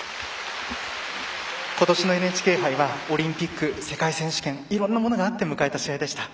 今年のＮＨＫ杯はオリンピック、世界選手権いろんなものがあって迎えた試合でした。